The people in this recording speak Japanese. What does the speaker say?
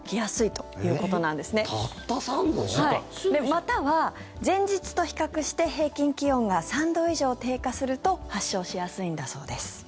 または、前日と比較して平均気温が３度以上低下すると発症しやすいんだそうです。